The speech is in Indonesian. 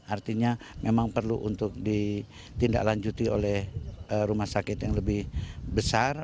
artinya memang perlu untuk ditindaklanjuti oleh rumah sakit yang lebih besar